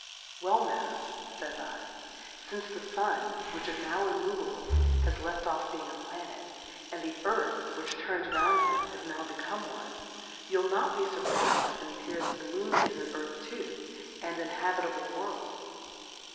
Well, Madam, y^^;j /, Since the Sun^ which is now im.move able, has left off being a TUmet ; and the Earth which turns round him is now become one, you'll not be furpriz'd whe^ you hear that the Moo?i is an Earth too, and an habitable World.